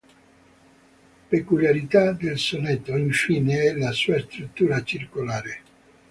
Peculiarità del sonetto, infine, è la sua struttura circolare.